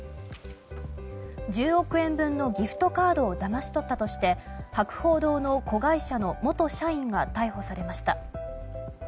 １０億円分のギフトカードをだまし取ったとして博報堂の子会社の元社員が逮捕されました。